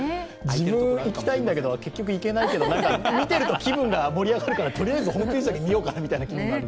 自分、行きたいんだけど、結局行けないんだけど、見ていると気分が盛り上がるからとりあえずホームページだけ見ようかっていう気分になる。